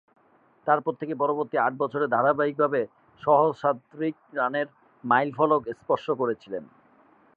এরপর থেকে পরবর্তী আট বছর ধারাবাহিকভাবে সহস্রাধিক রানের মাইলফলক স্পর্শ করেছিলেন।